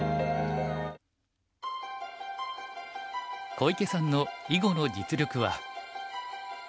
小池さんの囲碁の実力は。